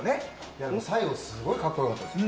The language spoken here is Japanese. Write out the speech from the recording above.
最後すごい格好良かったですよ。